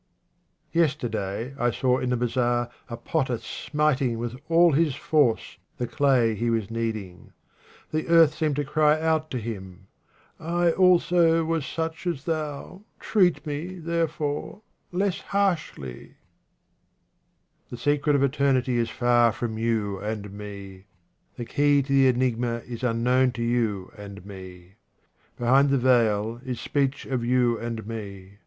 Yesterday I saw in the bazaar a potter smit ing with all his force the clay he was kneading. The earth seemed to cry out to him, " I also was such as thou — treat me, therefore, less harshly." 18 QUATRAINS OF OMAR KHAYYAM The secret of eternity is far from you and me. The key to the enigma is unknown to you and me. Behind the veil is speech of you and me.